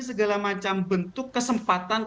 segala macam bentuk kesempatan